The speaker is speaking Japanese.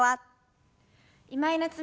今井菜津美です。